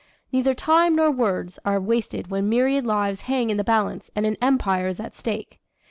Neither time nor words are wasted when myriad lives hang in the balance and an empire is at stake.